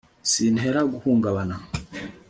sinteze guhungabana